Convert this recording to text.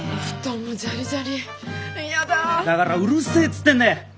だからうるせえっつってんだ！